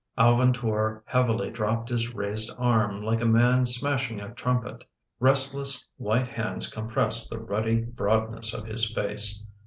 Alvin Tor heavily dropped his raised arm, like a man smashing a trumpet. Restless white hands compressed the ruddy broadness of his face.